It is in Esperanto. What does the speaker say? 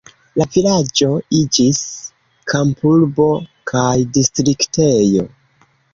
La vilaĝo iĝis kampurbo kaj distriktejo.